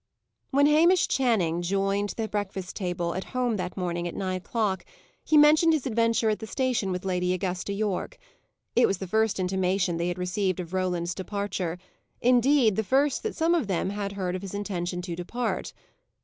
When Hamish Channing joined the breakfast table at home that morning at nine o'clock, he mentioned his adventure at the station with Lady Augusta Yorke. It was the first intimation they had received of Roland's departure; indeed, the first that some of them had heard of his intention to depart.